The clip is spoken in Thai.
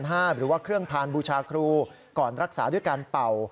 หรือว่าเครื่องพานบูชาครูก่อนรักษาด้วยการเป่า